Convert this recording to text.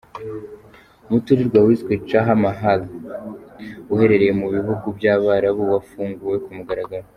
Umuturirwa wiswe Taj Mahal uherereye mu bihugu by’abarabu wafunguwe ku mugaragaro.